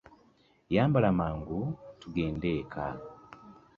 Yambala mangu tugende eka.